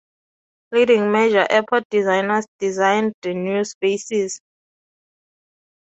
Leading major airport designers designed the new spaces.